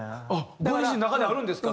ご自身の中であるんですか？